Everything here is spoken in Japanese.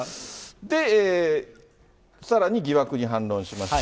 で、さらに疑惑に反論しまして。